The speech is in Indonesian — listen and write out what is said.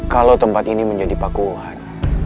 kalau tempat ini menjadi pakuan